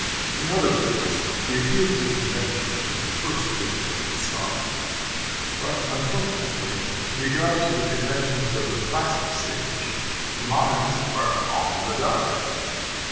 In other words, the appeal to convention is the first duty of the scholar. But, unfortunately, in regard to the conventions of the Classic Stage, the moderns are all in the dark.